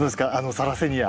サラセニア。